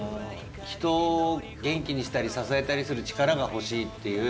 人を元気にしたり支えたりする力が欲しいっていう。